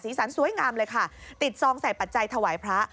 สันสวยงามเลยค่ะติดซองใส่ปัจจัยถวายพระ